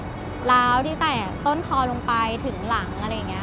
ทำไมต้นคอลงไปถึงหลัง